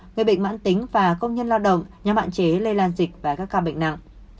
người bệnh mãn tính và công nhân lao động nhằm hạn chế lây lan dịch và các ca bệnh nặng